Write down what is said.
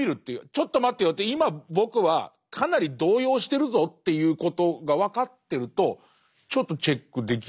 ちょっと待てよって今僕はかなり動揺してるぞということが分かってるとちょっとチェックできる。